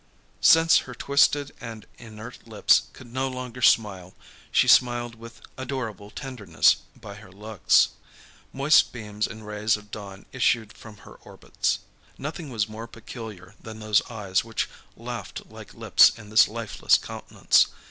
Since her twisted and inert lips could no longer smile, she smiled with adorable tenderness, by her looks; moist beams and rays of dawn issued from her orbits. Nothing was more peculiar than those eyes which laughed like lips in this lifeless countenance.